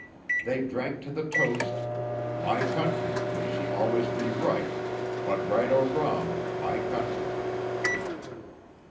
They drank to the toast, 'My country, may she always be right; but right or wrong, my country.'